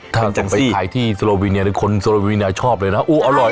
ถ้าต้องไปขายที่โลวิเนียคนโลวิเนียชอบเลยนะอร่อย